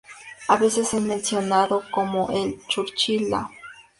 A veces es mencionado como el Churchill Ia.